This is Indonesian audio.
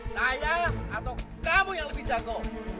saya atau kamu yang lebih jago